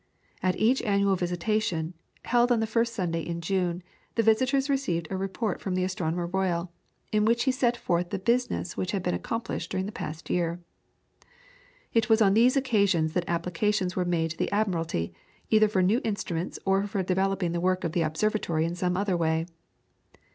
At each annual visitation, held on the first Saturday in June, the visitors received a report from the Astronomer Royal, in which he set forth the business which had been accomplished during the past year. It was on these occasions that applications were made to the Admiralty, either for new instruments or for developing the work of the observatory in some other way.